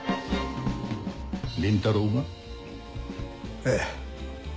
倫太郎が？ええ。